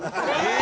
え！